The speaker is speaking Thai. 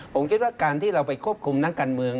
ผมคิดว่าการที่เราไปควบคุมนักการเมือง